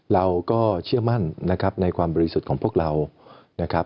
เราก็เชื่อมั่นนะครับในความบริสุทธิ์ของพวกเรานะครับ